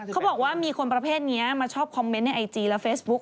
เขาบอกว่ามีคนประเภทนี้มาชอบคอมเมนต์ในไอจีและเฟซบุ๊ค